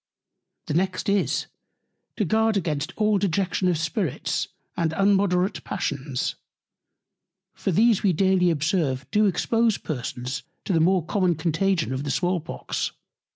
The next is, to guard against all Dejection of Spirits, and immoderate Passions; for these we daily observe do expose Persons to the more common Contagion of the Small Pox.